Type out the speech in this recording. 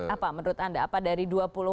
apa menurut anda apa dari dua puluh